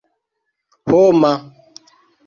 homa